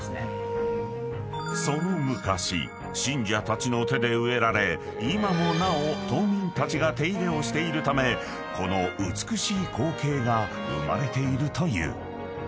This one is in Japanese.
［その昔信者たちの手で植えられ今もなお島民たちが手入れをしているためこの美しい光景が生まれているという］